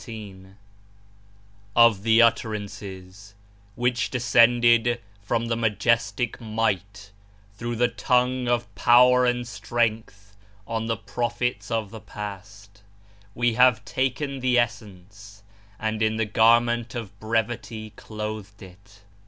[K] Of the Utterances which descended from the Majestic Might through the tongue of Power and Strength on the prophets of the past, we have taken the essence and in the garment of Brevity clothed it.